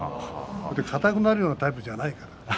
硬くなるようなタイプじゃないから。